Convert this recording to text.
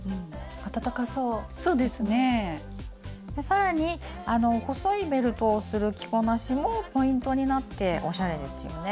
更に細いベルトをする着こなしもポイントになっておしゃれですよね。